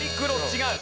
違う。